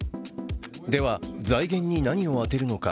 では、財源に何を充てるのか。